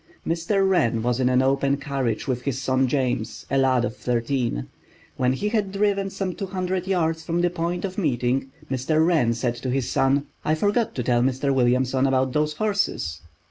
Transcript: Mr. Wren was in an open carriage with his son James, a lad of thirteen. When he had driven some two hundred yards from the point of meeting, Mr. Wren said to his son: "I forgot to tell Mr. Williamson about those horses."